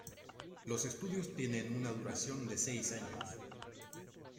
Los estudios tienen una duración de seis años.